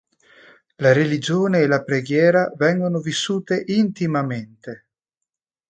La religione e la preghiera vengono vissute intimamente.